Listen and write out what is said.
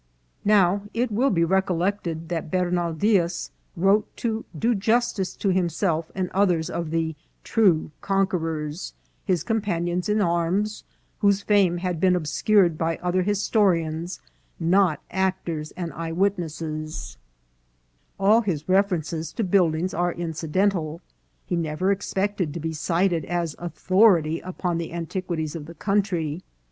Now it will be recollected that Bernal Diaz wrote to do justice to himself and others of the " true conquerors," his companions in arms, whose fame had been obscured by other historians not actors and eyewitnesses ; all his references to buildings are incidental ; he never expect ed to be cited as authority upon the antiquities of the country.